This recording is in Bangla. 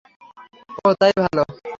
ওঃ, তাই ভালো।